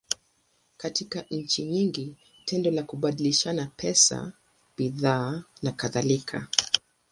Katika nchi nyingi, tendo la kubadilishana pesa, bidhaa, nakadhalika.